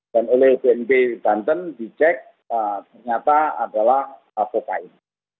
dan oleh bnp banten dicek ternyata adalah kokain